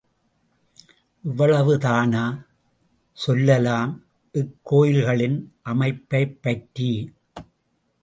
இவ்வளவுதானா சொல்லலாம் இக்கோயில்களின் அமைப்பைப் பற்றி?